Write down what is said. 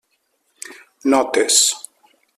Notes.